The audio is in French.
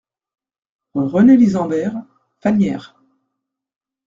Rue René Lisambert, Fagnières